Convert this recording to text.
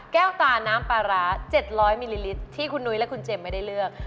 ตาน้ำปลาร้า๗๐๐มิลลิลิตรที่คุณนุ้ยและคุณเจมส์ไม่ได้เลือก